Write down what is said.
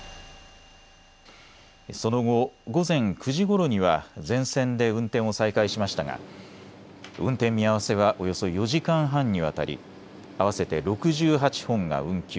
その後、午前９時ごろには全線で運転を再開しましたが運転見合わせはおよそ４時間半にわたり合わせて６８本が運休。